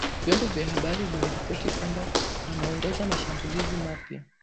Vyombo vya habari vimeripoti kwamba anaongoza mashambulizi mapya